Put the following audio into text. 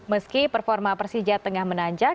meski performa persija tengah menanjak